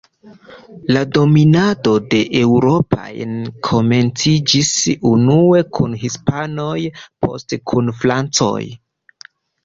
La dominado de eŭropanoj komenciĝis unue kun hispanoj, poste kun francoj.